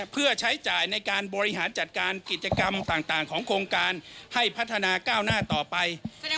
เพื่อใช้จ่ายในการบริหารจัดการกิจกรรมต่างของโครงการให้พัฒนาก้าวหน้าต่อไป